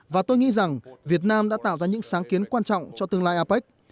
và tôi nghĩ rằng việt nam đã tạo ra những sáng kiến quan trọng cho tương lai apec